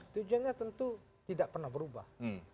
tujuannya tentu tidak pernah berubah